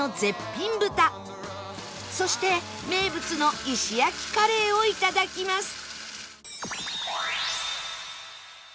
そして名物の石焼きカレーをいただきます